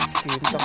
gak apa apa cinta